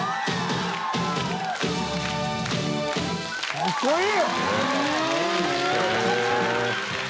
かっこいい！